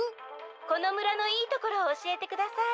「このむらのいいところをおしえてください」。